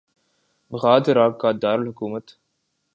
Baghdad Iraq کا دار الحکومت